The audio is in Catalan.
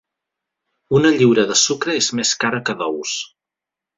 Una lliura de sucre és més cara que d'ous.